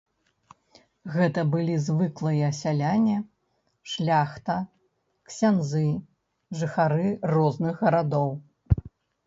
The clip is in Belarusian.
Гэта былі звыклыя сяляне, шляхта, ксяндзы, жыхары розных гарадоў.